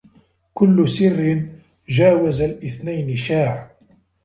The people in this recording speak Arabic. كل سر جاوز الاثنين شاع